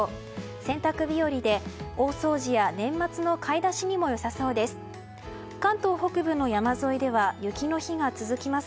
洗濯日和で大掃除や年末の買い出しにも良さそうです。